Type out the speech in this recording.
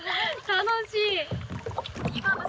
楽しい。